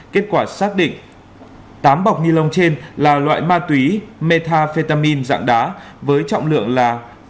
kết quả xác định tám bọc nilon trên là loại ma túy methamphetamine dạng đá với trọng lượng là bảy chín